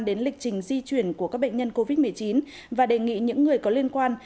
đến lịch trình di chuyển của các bệnh nhân covid một mươi chín và đề nghị những người có liên quan